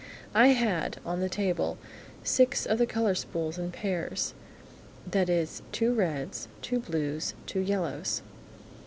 I had, on the table, six of the colour spools in pairs, that is two reds, two blues, two yellows.